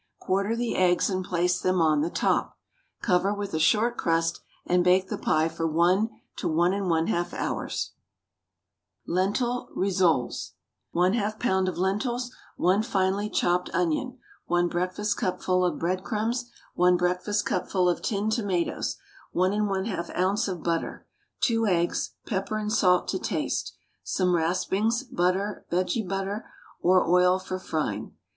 Quarter the eggs and place them on the top. Cover with a short crust, and bake the pie for 1 to 1 1/2 hours. LENTIL RISSOLES. 1/2 lb. of lentils, 1 finely chopped onion, 1 breakfastcupful of breadcrumbs, 1 breakfastcupful of tinned tomatoes, 1 1/2 oz. of butter, 2 eggs, pepper and salt to taste, some raspings, butter, vege butter or oil for frying.